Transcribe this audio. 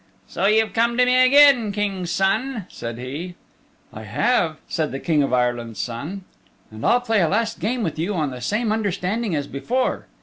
"So you've come to me again, King's Son," said he. "I have," said the King of Ireland's Son, "and I'll play a last game with you on the same understanding as before."